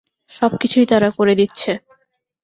সব কিছুই তারা করে দিচ্ছে।